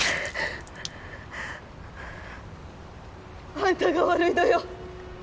あんたが悪いのよ